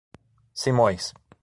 Simões